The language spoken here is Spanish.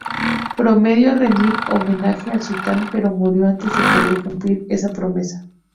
Prometió rendir homenaje al sultán, pero murió antes de poder cumplir esa promesa.